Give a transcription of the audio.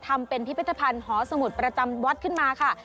ทำเป็นพิพิธภัณฑ์หอสมุทรประจำวัดขึ้นมาค่ะ